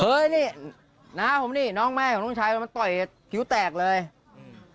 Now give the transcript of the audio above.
นี่น้าผมนี่น้องแม่ของน้องชายมันต่อยคิ้วแตกเลยอืม